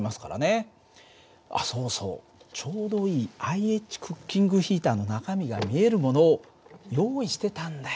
あっそうそうちょうどいいＩＨクッキングヒーターの中身が見えるものを用意してたんだよ。